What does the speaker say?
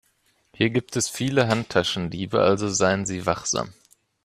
Hier gibt es viele Handtaschendiebe, also seien Sie wachsam.